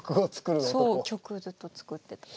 そう曲をずっと作ってた。